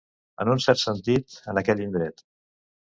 En un cert sentit, en aquell indret.